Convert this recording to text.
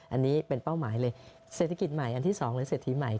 อันนี้เป็นเป้าหมายเลยเศรษฐกิจใหม่อันที่๒หรือเศรษฐีใหม่